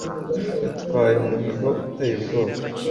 Yatwayeumuhigo uteye ubwoba